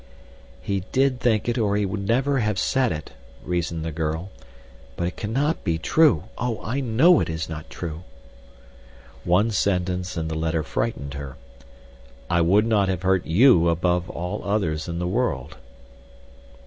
"He did think it or he never would have said it," reasoned the girl, "but it cannot be true—oh, I know it is not true!" One sentence in the letter frightened her: "I would not have hurt you above all others in the world."